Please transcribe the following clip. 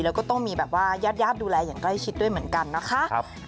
แล้วก็ต้องมีแบบว่าญาติญาติดูแลอย่างใกล้ชิดด้วยเหมือนกันนะคะ